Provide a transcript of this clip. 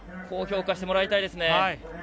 高評価してもらいたいですね。